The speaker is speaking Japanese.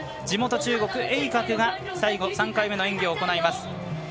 地元・中国の栄格が最後、３回目の演技を行います。